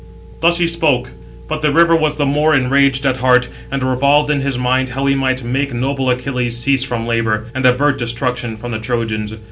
Thus he spoke; but the River was the more enraged at heart, and revolved in his mind how he might make noble Achilles cease from labour, and avert destruction from the Trojans.